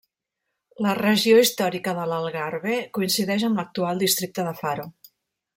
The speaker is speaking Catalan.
La regió històrica de l'Algarve coincideix amb l'actual districte de Faro.